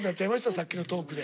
さっきのトークで。